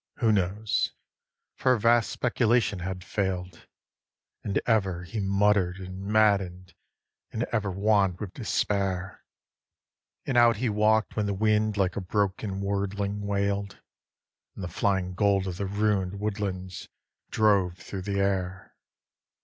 who knows? for a vast speculation had fail'd, And ever he mutter'd and madden'd, and ever wann'd with despair, And out he walk'd when the wind like a broken worldling wail'd, And the flying gold of the ruin'd woodlands drove thro' the air.